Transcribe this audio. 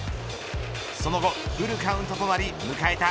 その後、フルカウントとなり迎えた